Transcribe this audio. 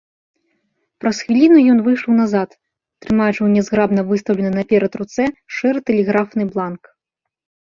Праз хвіліну ён выйшаў назад, трымаючы ў нязграбна выстаўленай наперад руцэ шэры тэлеграфны бланк.